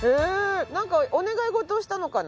なんかお願い事をしたのかな？